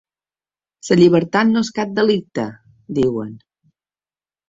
La llibertat no és cap delicte!, diuen.